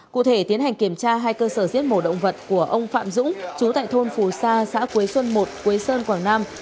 cụ thể tiến hành kiểm tra hai cơ sở giết mổ động vật của ông phạm dũng chú tại thôn phù sa xã quế xuân một quế sơn quảng nam